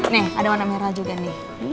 nih ada warna merah juga nih